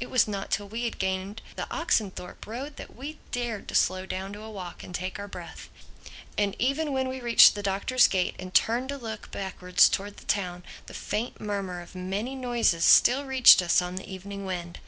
It was not till we had gained the Oxenthorpe Road that we dared to slow down to a walk and take our breath. And even when we reached the Doctor's gate and turned to look backwards towards the town, the faint murmur of many voices still reached us on the evening wind.